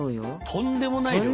とんでもない量よ。